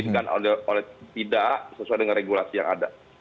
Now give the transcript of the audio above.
apakah dimungkinkan oleh tidak sesuai dengan regulasi yang ada